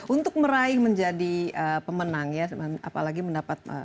untuk meraih menjadi pemenang ya apalagi mendapat